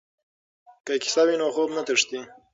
که کیسه وي نو خوب نه تښتي.